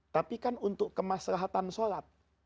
tapi kan untuk kemaslahatan sholat